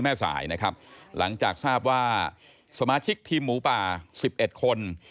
แม่สายนะครับหลังจากทราบว่าสมาชิกทีมหมูป่า๑๑คน